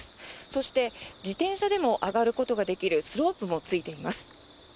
そして自転車でも上がることができるスロープもついています。